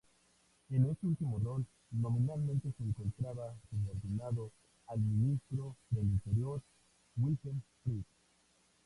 En este último rol, nominalmente se encontraba subordinado al Ministro del Interior, Wilhelm Frick.